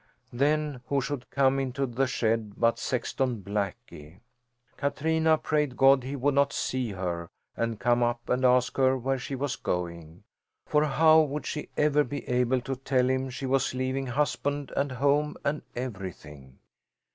Then who should come into the shed but Sexton Blackie! Katrina prayed God he would not see her and come up and ask her where she was going. For how would she ever be able to tell him she was leaving husband and home and everything!